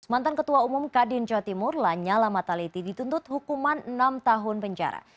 mantan ketua umum kadin jawa timur lanyala mataliti dituntut hukuman enam tahun penjara